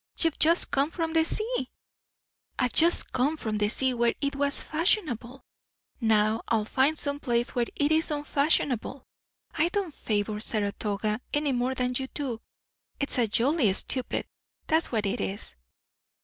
"You've just come from the sea." "I've just come from the sea where it was fashionable. Now I'll find some place where it is unfashionable. I don't favour Saratoga any more than you do. It's a jolly stupid; that's what it is."